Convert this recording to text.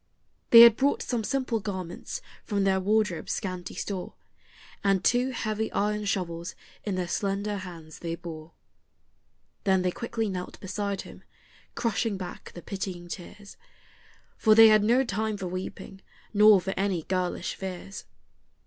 They had brought some simple garments from their wardrobe's scanty store, And two heavy iron shovels in their slender hands they bore. Then they quickly knelt beside him, crushing back the pitying tears, For they had no time for weeping, nor for any girlish fears.